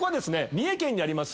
三重県にあります